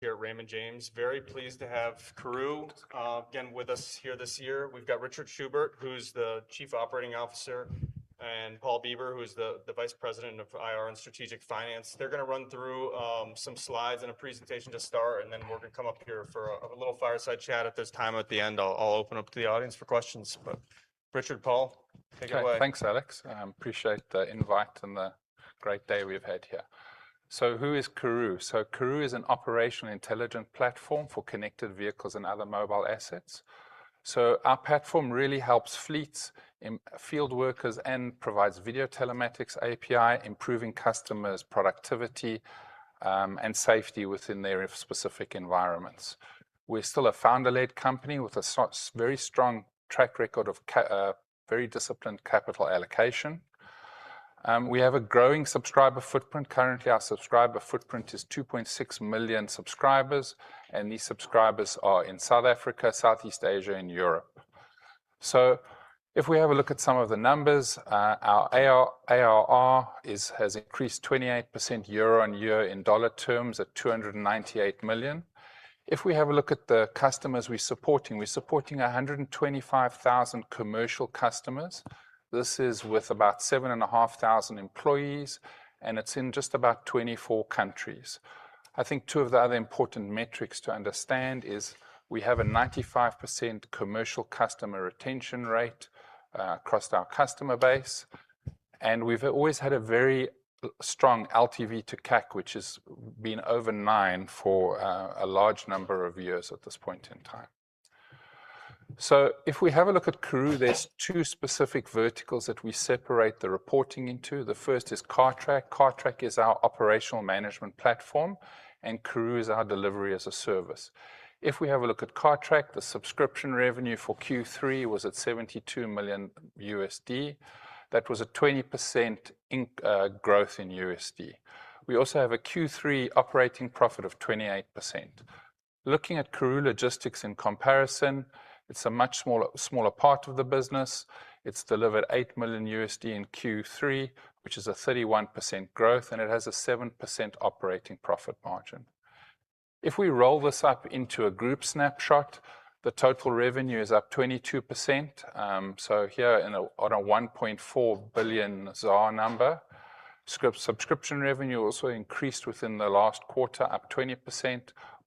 Here at Raymond James. Very pleased to have Karooooo again with us here this year. We've got Richard Schubert, who's the Chief Operating Officer, and Paul Bieber, who's the Vice President of IR and Strategic Finance. They're gonna run through some slides and a presentation to start, and then we're gonna come up here for a little fireside chat at this time. At the end I'll open up to the audience for questions. Richard, Paul, take it away. Okay. Thanks, Alex. Appreciate the invite and the great day we've had here. Who is Karooooo? Karooooo is an operational intelligent platform for connected vehicles and other mobile assets. Our platform really helps fleets and field workers, and provides video telematics API, improving customers' productivity, and safety within their specific environments. We're still a founder-led company with a very strong track record of very disciplined capital allocation. We have a growing subscriber footprint. Currently, our subscriber footprint is 2.6 million subscribers, and these subscribers are in South Africa, Southeast Asia, and Europe. If we have a look at some of the numbers, our ARR has increased 28% year-over-year in dollar terms at $298 million. We have a look at the customers we're supporting, we're supporting 125,000 commercial customers. This is with about 7,500 employees, it's in just about 24 countries. I think two of the other important metrics to understand is we have a 95% commercial customer retention rate across our customer base, we've always had a very strong LTV to CAC, which has been over nine for a large number of years at this point in time. If we have a look at Karooooo, there's two specific verticals that we separate the reporting into. The first is Cartrack. Cartrack is our operational management platform, Karooooo is our delivery-as-a-service. If we have a look at Cartrack, the subscription revenue for Q3 was at $72 million. That was a 20% growth in USD. We also have a Q3 operating profit of 28%. Looking at Karooooo Logistics in comparison, it's a much smaller part of the business. It's delivered $8 million in Q3, which is a 31% growth, and it has a 7% operating profit margin. If we roll this up into a group snapshot, the total revenue is up 22%. Here in a, on a 1.4 billion number. Subscription revenue also increased within the last quarter, up 20%,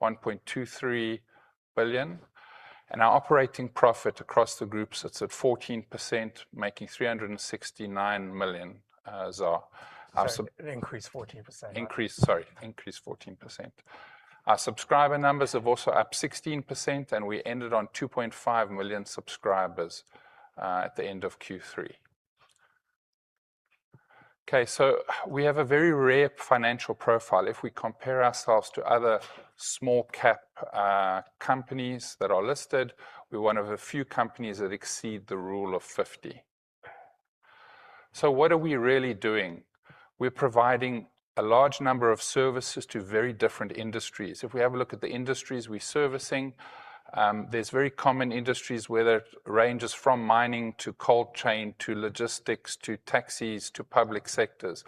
1.23 billion. Our operating profit across the group sits at 14%, making 369 million ZAR. Sorry, an increased 14%. Increased. Sorry, increased 14%. Our subscriber numbers have also up 16%, and we ended on 2.5 million subscribers at the end of Q3. We have a very rare financial profile. If we compare ourselves to other small cap companies that are listed, we're one of a few companies that exceed the Rule of 50. What are we really doing? We're providing a large number of services to very different industries. If we have a look at the industries we're servicing, there's very common industries where that ranges from mining, to cold chain, to logistics, to taxis, to public sectors.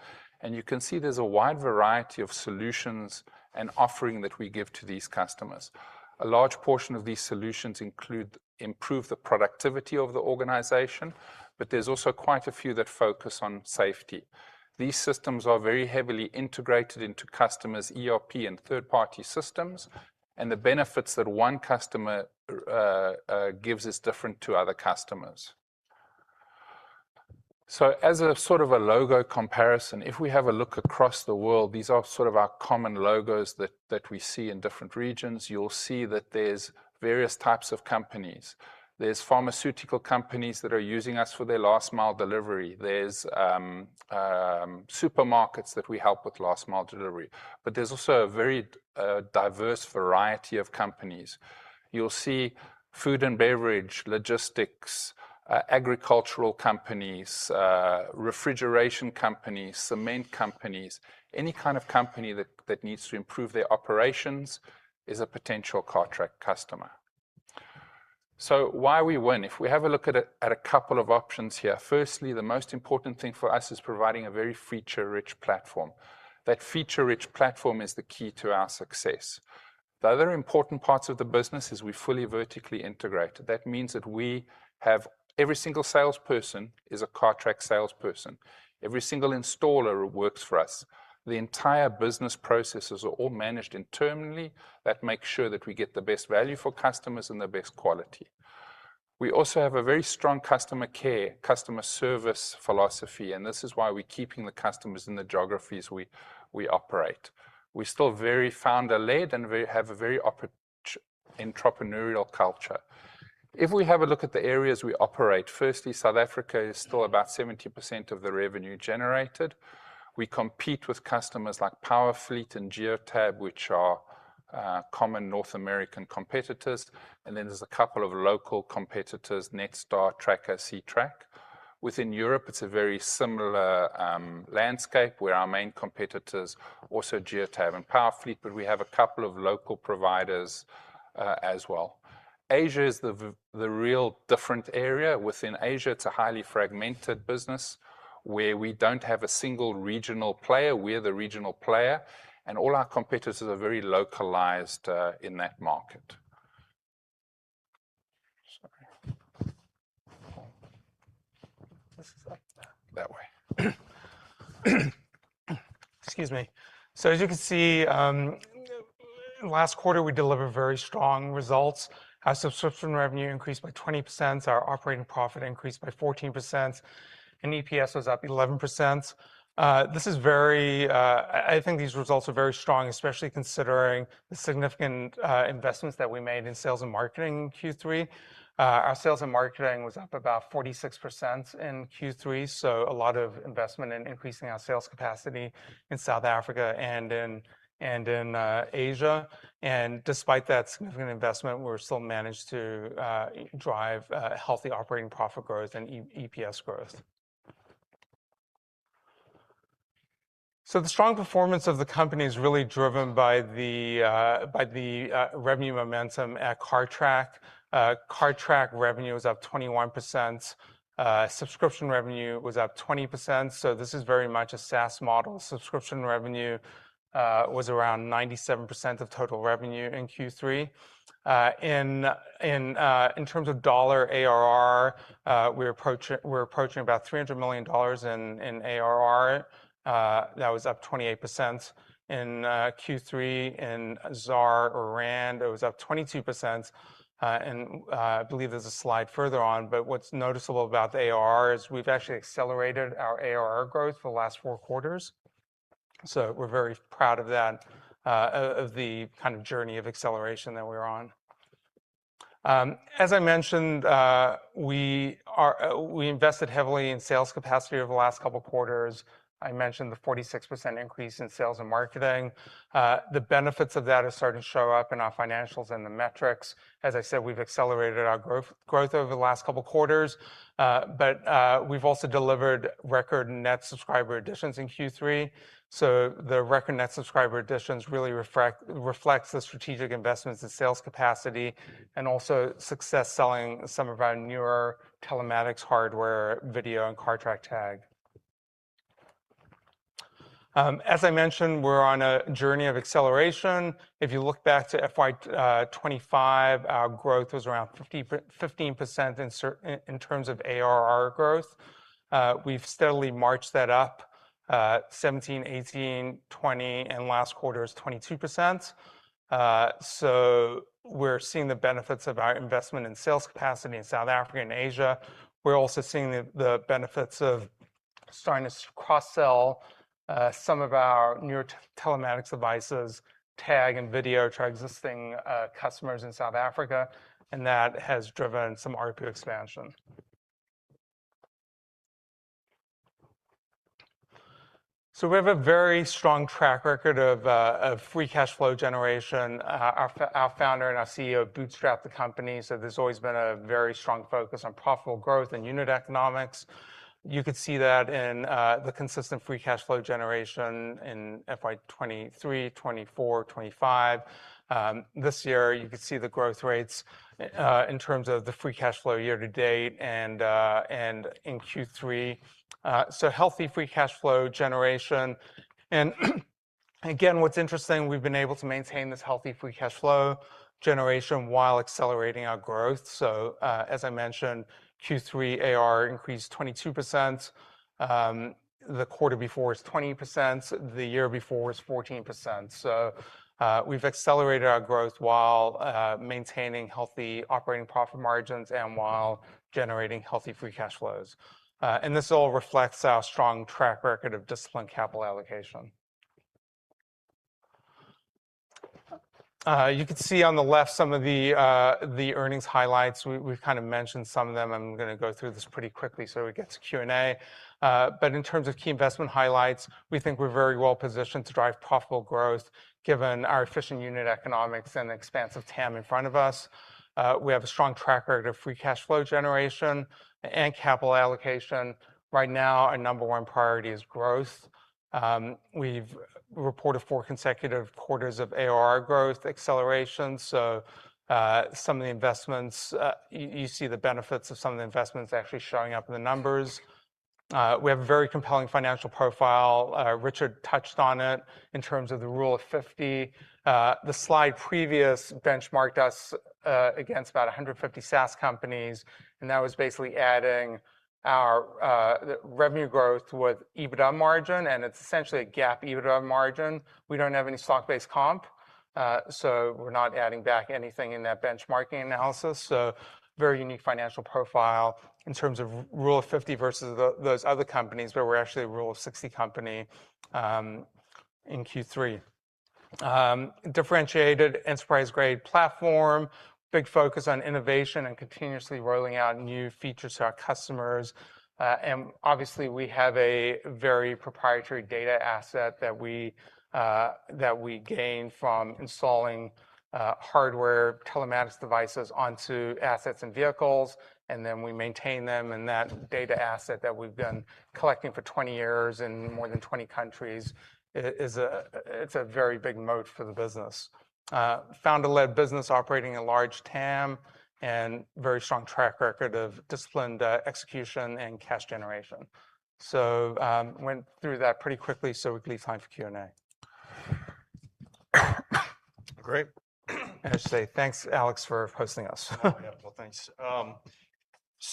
You can see there's a wide variety of solutions and offering that we give to these customers. A large portion of these solutions include improve the productivity of the organization, but there's also quite a few that focus on safety. These systems are very heavily integrated into customers' ERP and third-party systems. The benefits that one customer gives is different to other customers. As a sort of a logo comparison, if we have a look across the world, these are sort of our common logos that we see in different regions. You'll see that there's various types of companies. There's pharmaceutical companies that are using us for their last mile delivery. There's supermarkets that we help with last mile delivery. There's also a very diverse variety of companies. You'll see food and beverage, logistics, agricultural companies, refrigeration companies, cement companies. Any kind of company that needs to improve their operations is a potential Cartrack customer. Why we win, if we have a look at a couple of options here. The most important thing for us is providing a very feature-rich platform. That feature-rich platform is the key to our success. The other important parts of the business is we're fully vertically integrated. That means that we have every single salesperson is a Cartrack salesperson. Every single installer works for us. The entire business processes are all managed internally. That makes sure that we get the best value for customers and the best quality. We also have a very strong customer care, customer service philosophy, and this is why we're keeping the customers in the geographies we operate. We're still very founder-led, and we have a very entrepreneurial culture. We have a look at the areas we operate, South Africa is still about 70% of the revenue generated. We compete with customers like Powerfleet and Geotab, which are, common North American competitors. There's a couple of local competitors, Netstar, Tracker, Ctrack. Within Europe, it's a very similar landscape where our main competitors also Geotab and Powerfleet. We have a couple of local providers as well. Asia is the real different area. Within Asia, it's a highly fragmented business where we don't have a single regional player. We're the regional player. All our competitors are very localized in that market. Sorry. This is like that way. Excuse me. As you can see, last quarter we delivered very strong results. Our subscription revenue increased by 20%. Our operating profit increased by 14%, and EPS was up 11%. This is very. I think these results are very strong, especially considering the significant investments that we made in sales and marketing in Q3. Our sales and marketing was up about 46% in Q3, so a lot of investment in increasing our sales capacity in South Africa and in Asia. Despite that significant investment, we still managed to drive healthy operating profit growth and EPS growth. The strong performance of the company is really driven by the revenue momentum at Cartrack. Cartrack revenue was up 21%. Subscription revenue was up 20%. This is very much a SaaS model. Subscription revenue was around 97% of total revenue in Q3. In terms of dollar ARR, we're approaching about $300 million in ARR. That was up 28%. In Q3, in ZAR or rand, it was up 22%. I believe there's a slide further on, what's noticeable about the ARR is we've actually accelerated our ARR growth for the last four quarters. We're very proud of that, of the kind of journey of acceleration that we're on. As I mentioned, we invested heavily in sales capacity over the last couple of quarters. I mentioned the 46% increase in sales and marketing. The benefits of that are starting to show up in our financials and the metrics. As I said, we've accelerated our growth over the last couple of quarters. We've also delivered record net subscriber additions in Q3. The record net subscriber additions really reflects the strategic investments in sales capacity and also success selling some of our newer telematics hardware, video, and Cartrack-Tag. As I mentioned, we're on a journey of acceleration. If you look back to FY 2025, our growth was around 15% in terms of ARR growth. We've steadily marched that up, 17%, 18%, 20% and last quarter is 22%. We're seeing the benefits of our investment in sales capacity in South Africa and Asia. We're also seeing the benefits of starting to cross-sell some of our newer telematics devices, tag and video, to our existing customers in South Africa, and that has driven some ARPU expansion. We have a very strong track record of free cash flow generation. Our founder and our CEO bootstrapped the company, so there's always been a very strong focus on profitable growth and unit economics. You could see that in the consistent free cash flow generation in FY 2023, 2024, 2025. This year you could see the growth rates in terms of the free cash flow year-to-date and in Q3. Healthy free cash flow generation. Again, what's interesting, we've been able to maintain this healthy free cash flow generation while accelerating our growth. As I mentioned, Q3 ARR increased 22%. The quarter before was 20%. The year before was 14%. We've accelerated our growth while maintaining healthy operating profit margins and while generating healthy free cash flows. This all reflects our strong track record of disciplined capital allocation. You could see on the left some of the earnings highlights. We've kind of mentioned some of them. I'm gonna go through this pretty quickly so we get to Q&A. In terms of key investment highlights, we think we're very well positioned to drive profitable growth given our efficient unit economics and expansive TAM in front of us. We have a strong track record of free cash flow generation and capital allocation. Right now, our number one priority is growth. We've reported four consecutive quarters of ARR growth acceleration, so some of the investments you see the benefits of some of the investments actually showing up in the numbers. We have a very compelling financial profile. Richard touched on it in terms of the Rule of 50. The slide previous benchmarked us against about 150 SaaS companies, and that was basically adding our the revenue growth with EBITDA margin, and it's essentially a GAAP EBITDA margin. We don't have any stock-based comp, so we're not adding back anything in that benchmarking analysis. Very unique financial profile in terms of Rule of 50 versus those other companies, but we're actually a Rule of 60 company in Q3. Differentiated enterprise-grade platform, big focus on innovation and continuously rolling out new features to our customers. Obviously, we have a very proprietary data asset that we gain from installing hardware telematics devices onto assets and vehicles. Then we maintain them, and that data asset that we've been collecting for 20 years in more than 20 countries, it's a very big moat for the business. Founder-led business operating a large TAM and very strong track record of disciplined execution and cash generation. Went through that pretty quickly so we could leave time for Q&A. Great. I'll just say, thanks Alex, for hosting us. Oh, yeah. Well, thanks.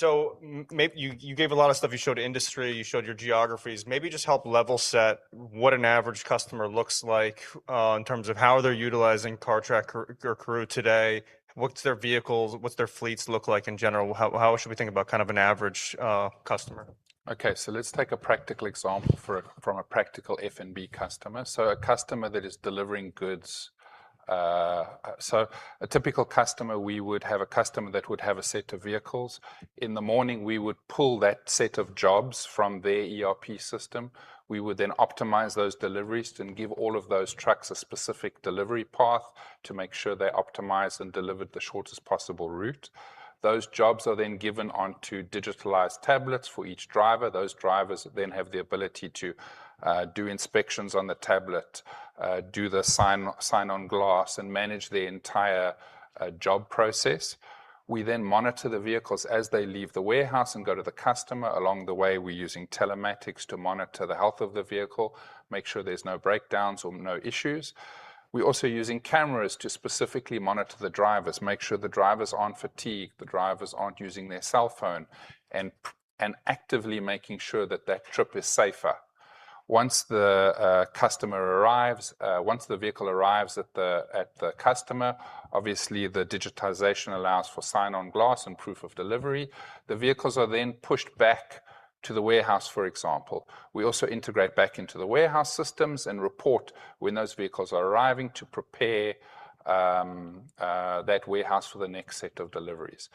You gave a lot of stuff. You showed industry, you showed your geographies. Maybe just help level set what an average customer looks like, in terms of how they're utilizing Cartrack or Karooooo today. What's their vehicles, what's their fleets look like in general? How should we think about kind of an average customer? Okay. Let's take a practical example from a practical F&B customer. A customer that is delivering goods. A typical customer, we would have a customer that would have a set of vehicles. In the morning, we would pull that set of jobs from their ERP system. We would optimize those deliveries and give all of those trucks a specific delivery path to make sure they're optimized and delivered the shortest possible route. Those jobs are given onto digitalized tablets for each driver. Those drivers have the ability to do inspections on the tablet, do the sign on glass, and manage the entire job process. We monitor the vehicles as they leave the warehouse and go to the customer. Along the way, we're using telematics to monitor the health of the vehicle, make sure there's no breakdowns or no issues. We're also using cameras to specifically monitor the drivers, make sure the drivers aren't fatigued, the drivers aren't using their cell phone, and actively making sure that that trip is safer. Once the customer arrives, once the vehicle arrives at the customer, obviously the digitization allows for sign on glass and proof of delivery. The vehicles are pushed back to the warehouse, for example. We also integrate back into the warehouse systems and report when those vehicles are arriving to prepare that warehouse for the next set of deliveries.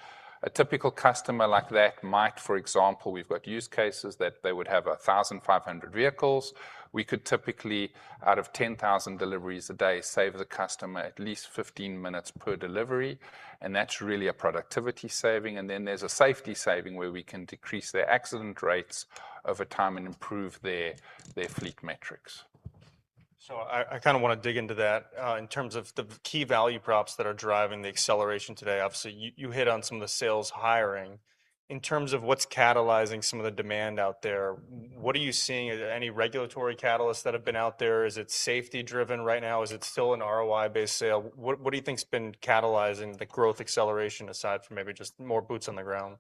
A typical customer like that might, for example, we've got use cases that they would have 1,500 vehicles. We could typically, out of 10,000 deliveries a day, save the customer at least 15 minutes per delivery, and that's really a productivity saving. Then there's a safety saving where we can decrease their accident rates over time and improve their fleet metrics. I kinda wanna dig into that, in terms of the key value props that are driving the acceleration today. Obviously, you hit on some of the sales hiring. In terms of what's catalyzing some of the demand out there, what are you seeing? Are there any regulatory catalysts that have been out there? Is it safety driven right now? Is it still an ROI-based sale? What do you think's been catalyzing the growth acceleration aside from maybe just more boots on the ground?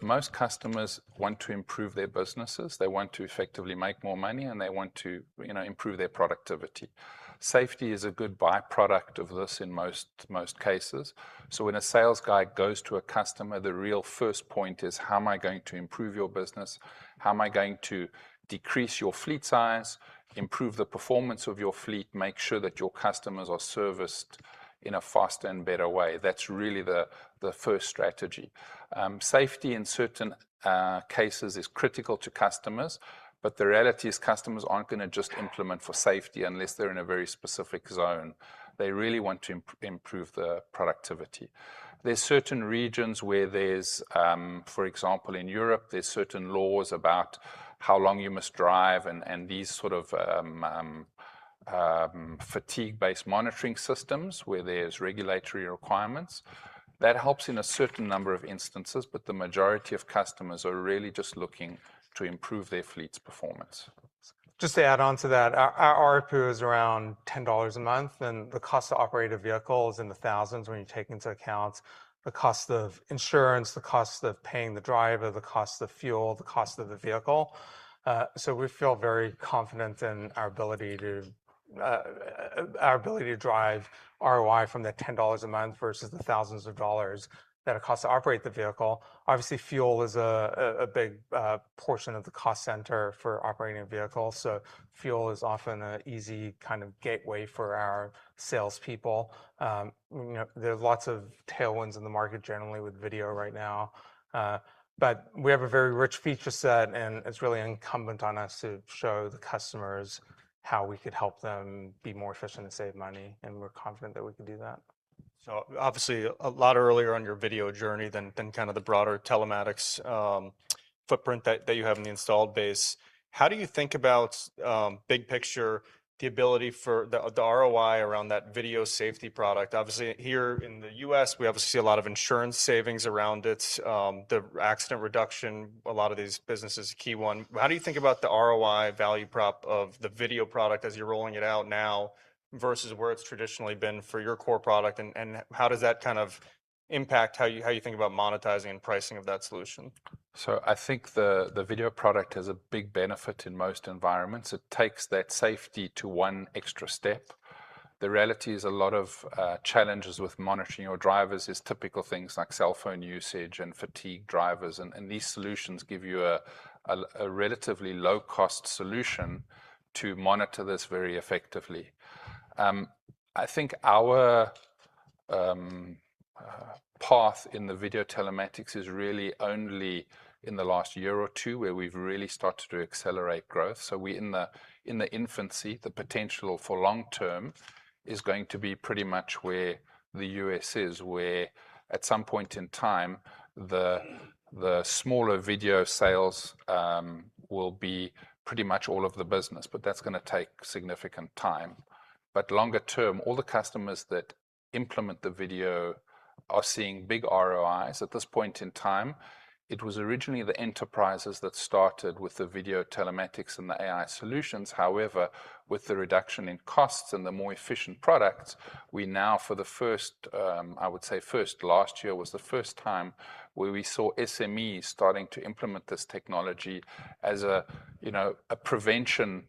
Most customers want to improve their businesses. They want to effectively make more money, and they want to improve their productivity. Safety is a good byproduct of this in most cases. When a sales guy goes to a customer, the real first point is, how am I going to improve your business? How am I going to decrease your fleet size, improve the performance of your fleet, make sure that your customers are serviced in a faster and better way? That's really the first strategy. Safety in certain cases is critical to customers. The reality is customers aren't gonna just implement for safety unless they're in a very specific zone. They really want to improve the productivity. There's certain regions where there's, for example, in Europe, there's certain laws about how long you must drive and these sort of fatigue-based monitoring systems where there's regulatory requirements. That helps in a certain number of instances, but the majority of customers are really just looking to improve their fleet's performance. Just to add on to that, our ARPU is around $10 a month and the cost to operate a vehicle is in the thousands when you take into account the cost of insurance, the cost of paying the driver, the cost of fuel, the cost of the vehicle. We feel very confident in our ability to drive ROI from that $10 a month versus the thousands of dollars that it costs to operate the vehicle. Obviously fuel is a big portion of the cost center for operating a vehicle, fuel is often a easy kind of gateway for our salespeople. You know, there's lots of tailwinds in the market generally with video right now. We have a very rich feature set and it's really incumbent on us to show the customers how we could help them be more efficient and save money and we're confident that we can do that. Obviously a lot earlier on your video journey than kind of the broader telematics footprint that you have in the installed base. How do you think about big picture the ability for the ROI around that video safety product? Obviously here in the US, we obviously see a lot of insurance savings around the accident reduction a lot of these businesses key one. How do you think about the ROI value prop of the video product as you're rolling it out now versus where it's traditionally been for your core product and how does that kind of impact how you think about monetizing and pricing of that solution? I think the video product has a big benefit in most environments. It takes that safety to one extra step. The reality is a lot of challenges with monitoring your drivers is typical things like cell phone usage and fatigued drivers and these solutions give you a relatively low cost solution to monitor this very effectively. I think our path in the video telematics is really only in the last year or two where we've really started to accelerate growth. We're in the, in the infancy. The potential for long term is going to be pretty much where the US is, where at some point in time, the smaller video sales will be pretty much all of the business, but that's gonna take significant time. Longer term, all the customers that implement the video are seeing big ROIs at this point in time. It was originally the enterprises that started with the video telematics and the AI solutions. With the reduction in costs and the more efficient products, we now for the first, I would say first, last year was the first time where we saw SMEs starting to implement this technology as a prevention.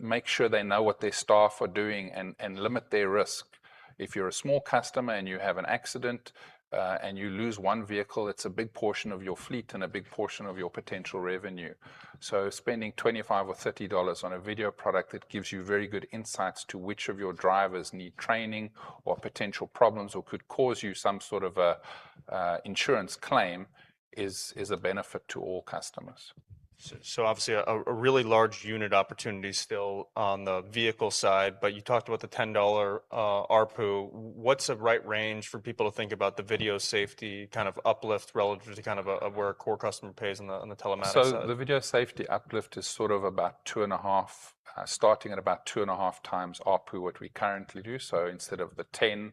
Make sure they know what their staff are doing and limit their risk. If you're a small customer and you have an accident and you lose one vehicle, it's a big portion of your fleet and a big portion of your potential revenue. Spending $25 or $30 on a video product that gives you very good insights to which of your drivers need training, or potential problems, or could cause you some sort of a insurance claim is a benefit to all customers. Obviously a really large unit opportunity still on the vehicle side, but you talked about the $10 ARPU. What's a right range for people to think about the video safety kind of uplift relative to kind of where a core customer pays on the telematics side? The video safety uplift is sort of about 2.5, starting at about 2.5x ARPU what we currently do. Instead of the 10,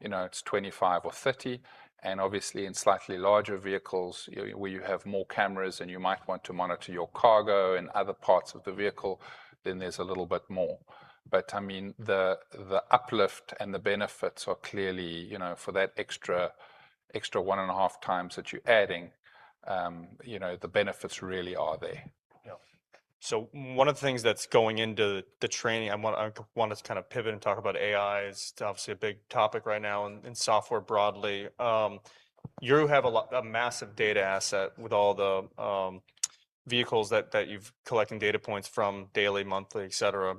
you know, it's 25 or 30, and obviously in slightly larger vehicles where you have more cameras, and you might want to monitor your cargo and other parts of the vehicle, then there's a little bit more. I mean, the uplift and the benefits are clearly, for that extra 1.5x that you're adding, you know, the benefits really are there. Yeah. One of the things that's going into the training, I want to kind of pivot and talk about AI. It's obviously a big topic right now in software broadly. You have a massive data asset with all the vehicles that you've collecting data points from daily, monthly, et cetera.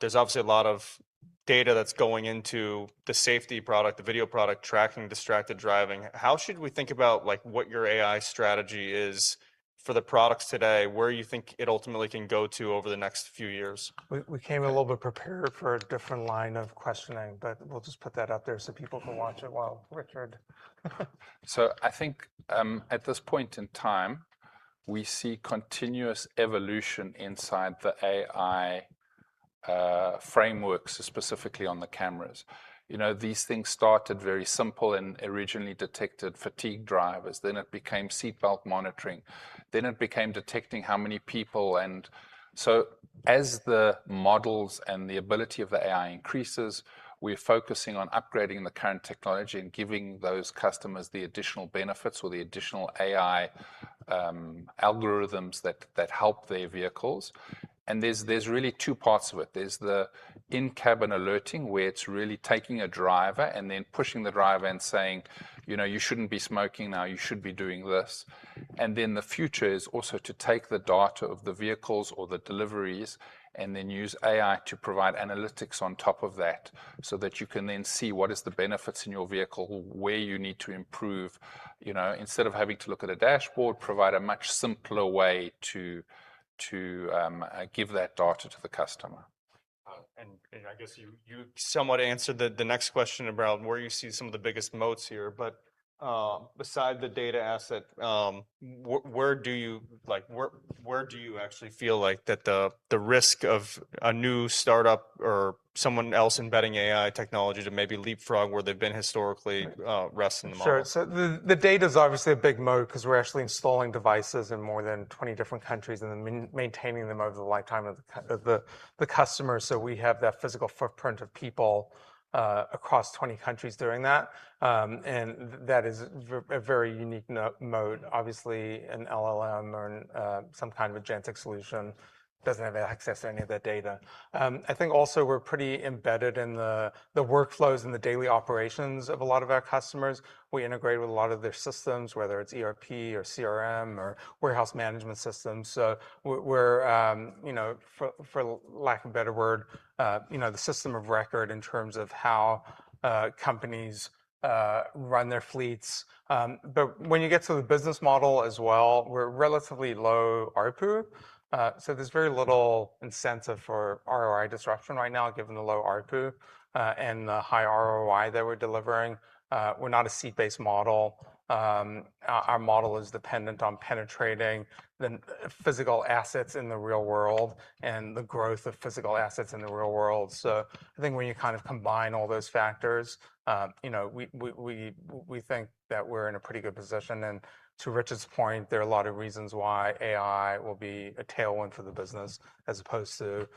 There's obviously a lot of data that's going into the safety product, the video product, tracking distracted driving. How should we think about like what your AI strategy is for the products today? Where you think it ultimately can go to over the next few years? We came a little bit prepared for a different line of questioning, we'll just put that out there so people can watch it while Richard. I think, at this point in time, we see continuous evolution inside the AI frameworks, specifically on the cameras. You know, these things started very simple and originally detected fatigue drivers, then it became seatbelt monitoring, then it became detecting how many people. As the models and the ability of the AI increases, we're focusing on upgrading the current technology and giving those customers the additional benefits or the additional AI algorithms that help their vehicles. There's really two parts of it. There's the in-cabin alerting, where it's really taking a driver and then pushing the driver and saying, "You know, you shouldn't be smoking now, you should be doing this." The future is also to take the data of the vehicles or the deliveries and then use AI to provide analytics on top of that, so that you can then see what is the benefits in your vehicle, where you need to improve. You know, instead of having to look at a dashboard, provide a much simpler way to give that data to the customer. I guess you somewhat answered the next question about where you see some of the biggest moats here. Where do you like, where do you actually feel like that the risk of a new startup or someone else embedding AI technology to maybe leapfrog where they've been historically rests in the model? Sure. The data's obviously a big moat 'cause we're actually installing devices in more than 20 different countries and then maintaining them over the lifetime of the customer. We have that physical footprint of people across 20 countries doing that. That is a very unique moat. Obviously, an LLM or some kind of agentic solution doesn't have access to any of that data. I think also we're pretty embedded in the workflows and the daily operations of a lot of our customers. We integrate with a lot of their systems, whether it's ERP or CRM or warehouse management systems. We're—for lack of a better word—the system of record in terms of how companies run their fleets. When you get to the business model as well, we're relatively low ARPU. There's very little incentive for ROI disruption right now, given the low ARPU and the high ROI that we're delivering. We're not a seat-based model. Our model is dependent on penetrating the physical assets in the real world and the growth of physical assets in the real world. I think when you kind of combine all those factors, we think that we're in a pretty good position. To Richard's point, there are a lot of reasons why AI will be a tailwind for the business as opposed to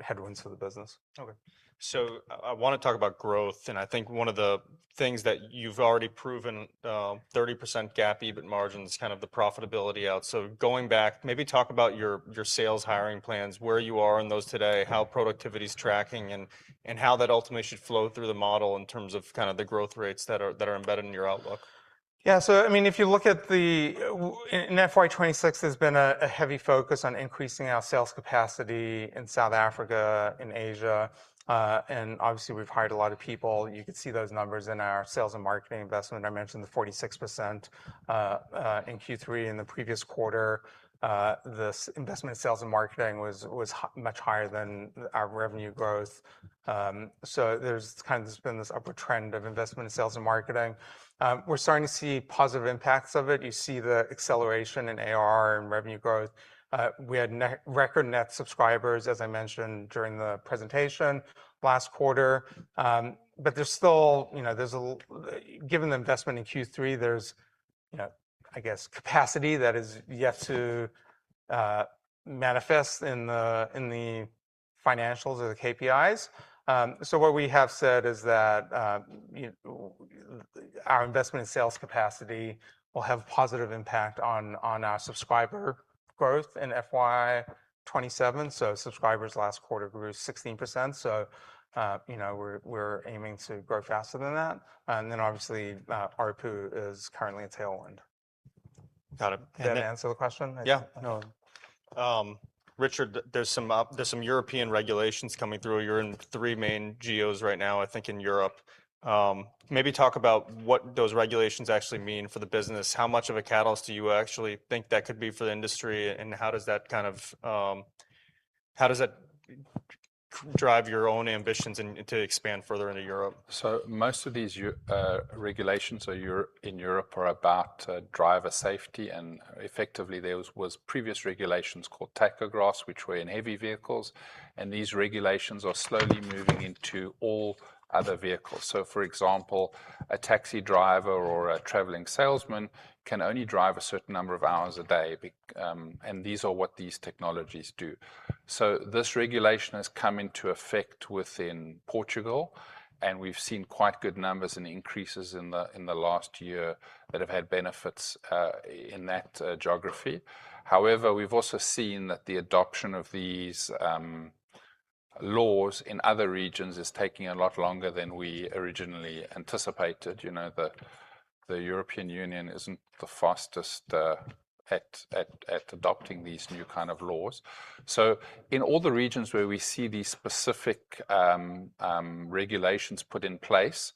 headwinds for the business. I wanna talk about growth, and I think one of the things that you've already proven, 30% GAAP EBIT margin is kind of the profitability out. Going back, maybe talk about your sales hiring plans, where you are in those today, how productivity's tracking, and how that ultimately should flow through the model in terms of kind of the growth rates that are embedded in your outlook. Yeah. I mean, if you look at the in FY 2026, there's been a heavy focus on increasing our sales capacity in South Africa, in Asia, and obviously we've hired a lot of people. You could see those numbers in our sales and marketing investment. I mentioned the 46% in Q3 in the previous quarter. This investment sales and marketing was much higher than our revenue growth. There's kind of been this upward trend of investment in sales and marketing. We're starting to see positive impacts of it. You see the acceleration in AR and revenue growth. We had record net subscribers, as I mentioned during the presentation last quarter. There's still—given the investment in Q3, there's, I guess capacity that is yet to manifest in the financials or the KPIs. What we have said is that our investment in sales capacity will have positive impact on our subscriber growth in FY 2027. Subscribers last quarter grew 16%, we're aiming to grow faster than that. Obviously, ARPU is currently a tailwind. Got it. Did that answer the question? Yeah. No. Richard, there's some European regulations coming through. You're in three main geos right now, I think in Europe. Maybe talk about what those regulations actually mean for the business. How much of a catalyst do you actually think that could be for the industry, and how does that kind of—how does that drive your own ambitions to expand further into Europe? Most of these regulations in Europe are about driver safety. Effectively, there was previous regulations called tachographs, which were in heavy vehicles. These regulations are slowly moving into all other vehicles. For example, a taxi driver or a traveling salesman can only drive a certain number of hours a day, and these are what these technologies do. This regulation has come into effect within Portugal, and we've seen quite good numbers and increases in the last year that have had benefits in that geography. However, we've also seen that the adoption of these laws in other regions is taking a lot longer than we originally anticipated. You know, the European Union isn't the fastest at adopting these new kind of laws. In all the regions where we see these specific regulations put in place,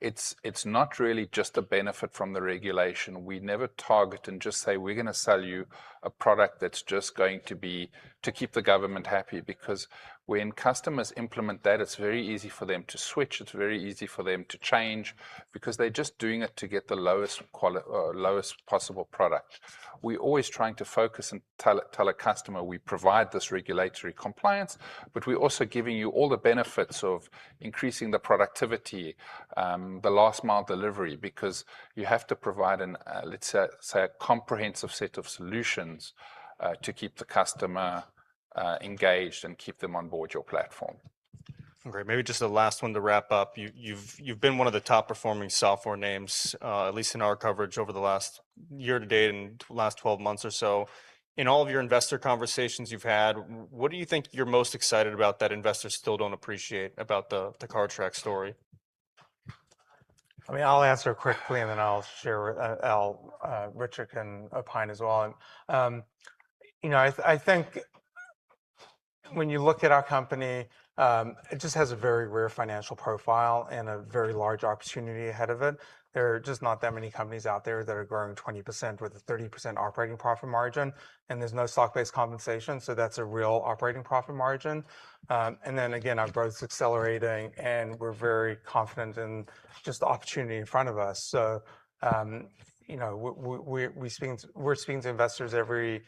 it's not really just a benefit from the regulation. We never target and just say, "We're gonna sell you a product that's just going to be to keep the government happy," because when customers implement that, it's very easy for them to switch, it's very easy for them to change because they're just doing it to get the lowest possible product. We're always trying to focus and tell a customer we provide this regulatory compliance, but we're also giving you all the benefits of increasing the productivity, the last mile delivery, because you have to provide a comprehensive set of solutions to keep the customer engaged and keep them on board your platform. Okay, maybe just a last one to wrap up. You've been one of the top-performing software names, at least in our coverage over the last year-to-date and last 12 months or so. In all of your investor conversations you've had, what do you think you're most excited about that investors still don't appreciate about the Cartrack story? I mean, I'll answer quickly, and then Richard can opine as well. You know, I think when you look at our company, it just has a very rare financial profile and a very large opportunity ahead of it. There are just not that many companies out there that are growing 20% with a 30% operating profit margin, and there's no stock-based compensation, so that's a real operating profit margin. Again, our growth's accelerating, and we're very confident in just the opportunity in front of us. You know, we're speaking to investors every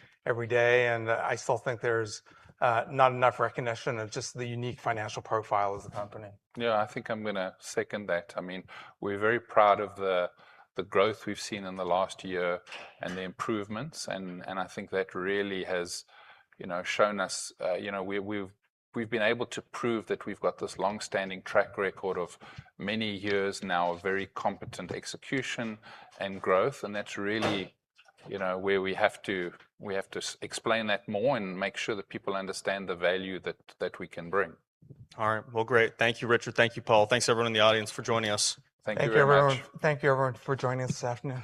day, and I still think there's not enough recognition of just the unique financial profile as a company. Yeah, I think I'm gonna second that. I mean, we're very proud of the growth we've seen in the last year and the improvements, and I think that really has shown us, we've been able to prove that we've got this long-standing track record of many years now of very competent execution and growth, and that's really where we have to explain that more and make sure that people understand the value that we can bring. All right. Well, great. Thank you, Richard. Thank you, Paul. Thanks everyone in the audience for joining us. Thank you very much. Thank you, everyone. Thank you, everyone, for joining us this afternoon.